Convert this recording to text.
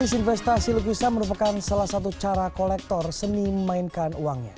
bisnis investasi lukisan merupakan salah satu cara kolektor seni memainkan uangnya